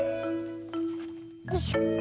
よいしょ。